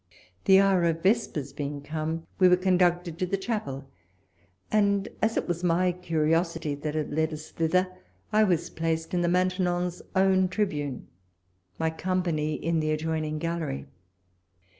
The hour of vespers being come, we were conduc ted to the chapel, and, as it was my curiosity that had led us thither, I was placed in the Main tenon's own tribune ; my company in the ad joining gallery.